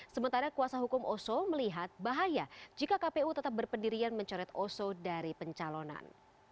sementara kuasa hukum oso melihat bahaya jika kpu tetap berpendirian mencoret oso dari pencalonan